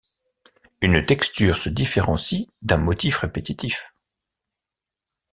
Une texture se différencie d'un motif répétitif.